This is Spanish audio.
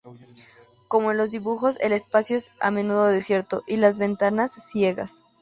Como en los dibujos, el espacio es a menudo desierto y las ventanas ciegas.